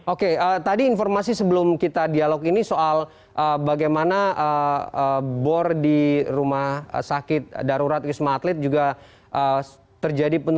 oke tadi informasi sebelum kita dialog ini soal bagaimana bor di rumah sakit darurat wisma atlet juga terjadi penurunan